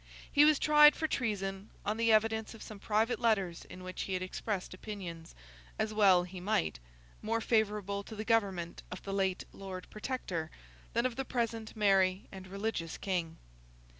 He was tried for treason, on the evidence of some private letters in which he had expressed opinions—as well he might—more favourable to the government of the late Lord Protector than of the present merry and religious King.